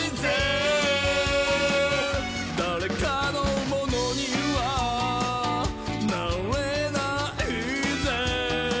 「だれかのものにはなれないぜ」